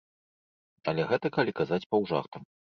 Але гэта калі казаць паўжартам.